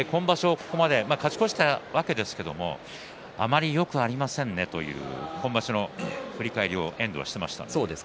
ここまで勝ち越したわけですけれどもあまりよくありませんねと今場所の振り返りを遠藤はしていました。